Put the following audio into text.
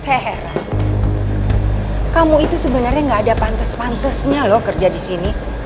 seher kamu itu sebenarnya nggak ada pantes pantesnya kerja di sini